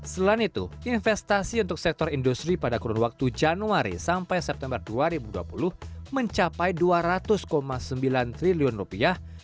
selain itu investasi untuk sektor industri pada kurun waktu januari sampai september dua ribu dua puluh mencapai dua ratus sembilan triliun rupiah